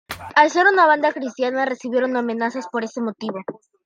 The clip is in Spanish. Al ser una banda cristiana recibieron amenazas por ese motivo.